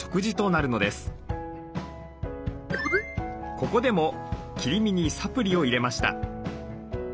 ここでも切り身にサプリを入れました。